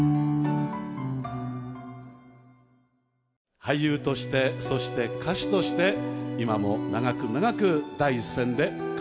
俳優としてそして歌手として今も長く長く第一線で活躍中です。